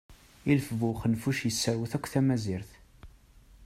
Ilef bu uxenfuc yesserwet akk tamazirt.